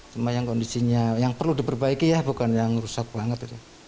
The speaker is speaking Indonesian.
cuma yang kondisinya yang perlu diperbaiki ya bukan yang rusak banget